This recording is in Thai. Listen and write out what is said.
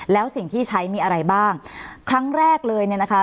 แล้วสิ่งที่ใช้มีอะไรบ้างครั้งแรกเลยเนี่ยนะคะ